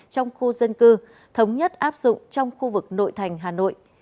trong khu dân cư thống nhất áp dụng trong khu vực nội thành hà nội